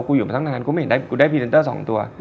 อยู่มาตั้งนานกูไม่เห็นกูได้พรีเซนเตอร์๒ตัว